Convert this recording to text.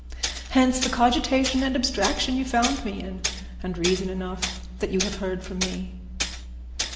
Hence the cogitation and abstraction you found me in, and reason enough, what you have heard from me."